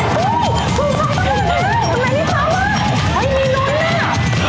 สองตัวสองตัวที่ดูหมดคือ